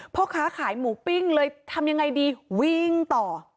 พ่อค้าขายหมูปิ้งเลยทำยังไงดีวิ่งต่อ